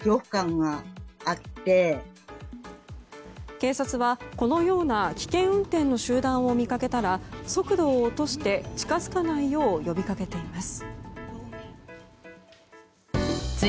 警察は、このような危険運転の集団を見かけたら速度を落として近づかないよう呼びかけています。